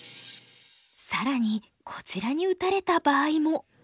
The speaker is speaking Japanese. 更にこちらに打たれた場合も。